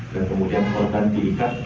dan kemudian korban diikat